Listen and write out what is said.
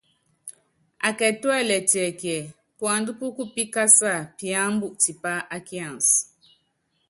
Akɛ tuɛ́lɛ tiɛkíɛ, puandá pú kupíkása píámbu tipá á kiansi.